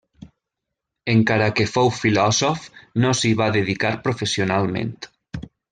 Encara que fou filòsof no s'hi va dedicar professionalment.